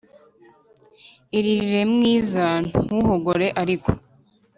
Iririre mwiza ntuhogore ariko !